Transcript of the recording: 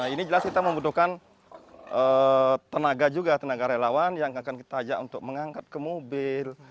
ini jelas kita membutuhkan tenaga juga tenaga relawan yang akan kita ajak untuk mengangkat ke mobil